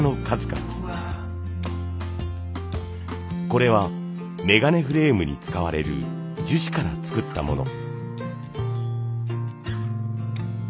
これはメガネフレームに使われる樹脂から作ったもの。